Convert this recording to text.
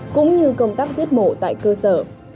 cũng như công tác giết mổ tại cơ sở